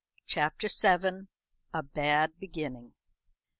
CHAPTER VII. A Bad Beginning.